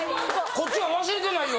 こっちは忘れてないよ。